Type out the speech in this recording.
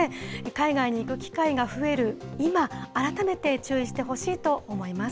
海外に行く機会が増える今、改めて注意してほしいと思います。